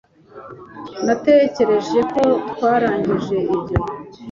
Natekereje ko twarangije ibyo